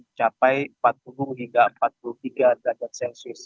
mencapai empat puluh hingga empat puluh tiga derajat celcius